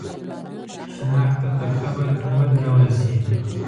شنخته پر قبر ودرول شي.